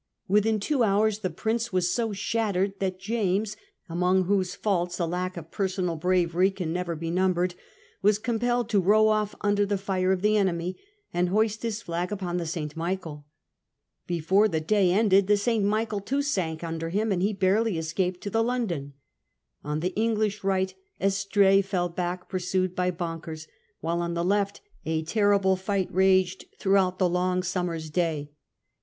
Within two hours * The Prince ' was so shattered that James, among whose faults a lack of personal bravery can never be numbered, was compelled to row off under the fire of the enemy and hoist his flag 1672. Orange Reaction. 209 upon the 1 St. Michael/ Before the day ended the * St. Michael 2 7 too sank un ier him, and he barely escaped to the ' London/ On the English right Estrees fell back, pursued by Banckers ; while on the left a terrible fight raged throughout the long summer's day.